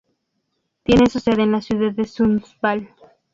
Tiene su sede en la ciudad de Sundsvall.